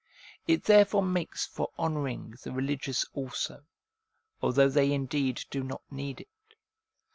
It therefore makes for honouring the religious also, although they indeed do not need it.